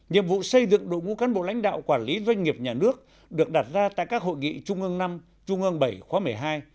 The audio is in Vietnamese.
nhiệm vụ xây dựng đội ngũ cán bộ lãnh đạo quản lý doanh nghiệp nhà nước được đặt ra tại các hội nghị trung ương năm trung ương bảy khóa một mươi hai